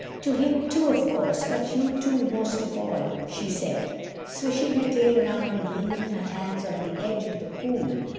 "To him, too, of course. But you two most of all," she said, swishing her tail around and leaning her hands on the edge of the pool.